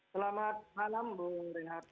selamat malam bung renat